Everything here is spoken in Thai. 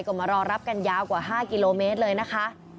ก็มารอรับกันยาวกว่า๕กิโลเมตรเลยนะคะ